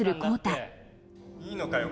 いいのかよ